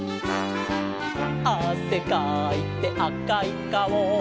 「あせかいてあかいかお」